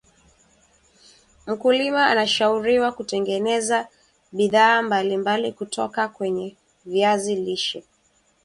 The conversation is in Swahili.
mkulima anashauriwa kutengeneza bidhaa mbalimbali kutoka kwenye viazi lishe